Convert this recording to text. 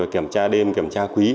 kiểm tra đêm kiểm tra quý